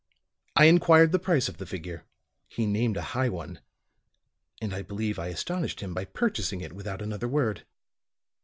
"I inquired the price of the figure. He named a high one; and I believe I astonished him by purchasing it without another word.